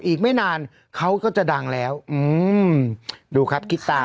อีกไม่นานเขาก็จะดังแล้วอืมดูครับคิดตา